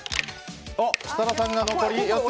設楽さんが残り４つ。